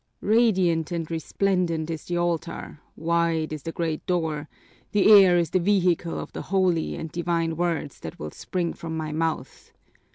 "Radiant and resplendent is the altar, wide is the great door, the air is the vehicle of the holy and divine words that will spring from my mouth!